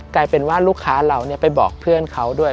กลายเป็นว่าลูกค้าเราไปบอกเพื่อนเขาด้วย